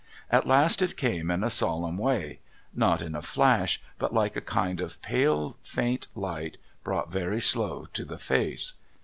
At last it came in a solemn way not in a Hash but like a kind of pale faint light brought very slow to the face.